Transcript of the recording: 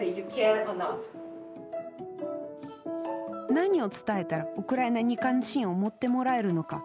何を伝えたら、ウクライナに関心を持ってもらえるのか。